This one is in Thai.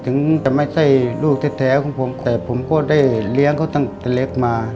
ถึงจะไม่ใช่ลูกแท้ของผมแต่ผมก็ได้เลี้ยงเขาตั้งแต่เล็กมา